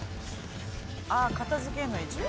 あ片付けんの一応。